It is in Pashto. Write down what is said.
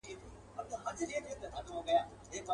دا به شیطان وي چي د شپې بشر په کاڼو ولي.